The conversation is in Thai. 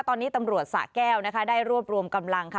ตอนนี้ตำรวจสะแก้วนะคะได้รวบรวมกำลังค่ะ